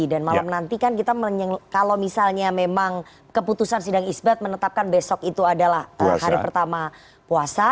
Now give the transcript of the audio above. dan malam nanti kan kita kalau misalnya memang keputusan sidang isbat menetapkan besok itu adalah hari pertama puasa